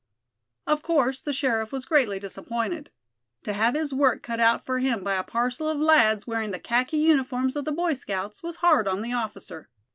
Of course the sheriff was greatly disappointed. To have his work cut out for him by a parcel of lads wearing the khaki uniforms of the Boy Scouts was hard on the officer.